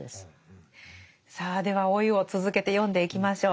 さあでは「老い」を続けて読んでいきましょう。